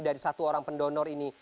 dari satu orang pendonor ini